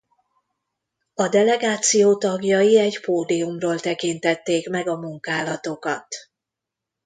A delegáció tagjai egy pódiumról tekintették meg a munkálatokat.